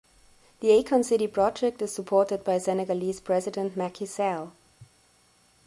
The Akon City project is supported by Senegalese President Macky Sall.